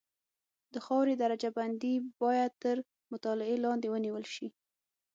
د خاورې درجه بندي باید تر مطالعې لاندې ونیول شي